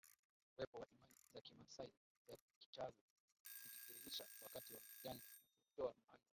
Uwepo wa Imani za kimaasai za kichawi unajidhihirisha wakati wa majanga na kujitoa muhanga